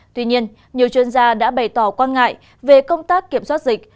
tuy nhiên nhiều chuyên gia đã bày tỏ quan ngại về công tác kiểm soát dịch